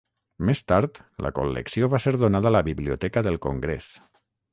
Més tard, la col·lecció va ser donada a la Biblioteca del Congrés.